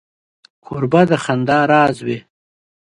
کوربه د خندا راز وي.